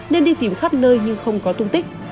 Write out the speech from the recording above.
nên đi tìm khắp nơi nhưng không có tung tích